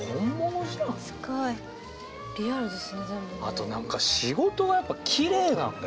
あと何か仕事がやっぱきれいなんだよね。